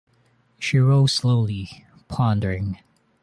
She rose slowly, pondering.